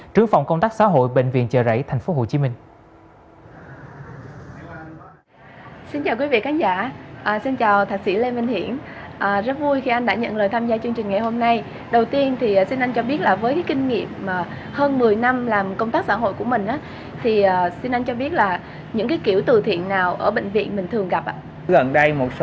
trướng phòng công tác xã hội bệnh viện chợ rẫy tp hcm